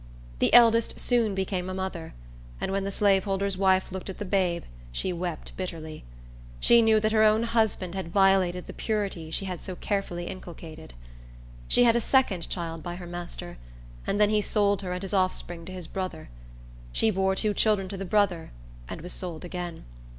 The eldest soon became a mother; and when the slaveholder's wife looked at the babe, she wept bitterly. She knew that her own husband had violated the purity she had so carefully inculcated. She had a second child by her master, and then he sold her and his offspring to his brother. She bore two children to the brother and was sold again.